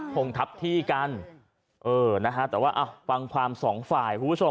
ส่งทับที่กันเหรอนะครับแต่ว่าก็ฟังความสองฝ่าย